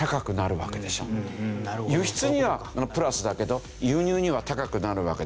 輸出にはプラスだけど輸入には高くなるわけでしょ。